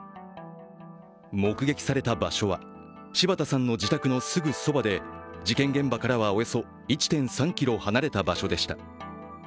目撃された場所は、柴田さんの自宅のすぐそばで事件現場からはおよそ１．３ｋｍ離れた場所でした。